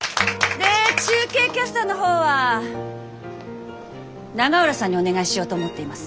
で中継キャスターの方は永浦さんにお願いしようと思っています。